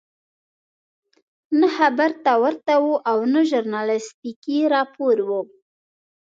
نه خبر ته ورته وو او نه ژورنالستیکي راپور وو.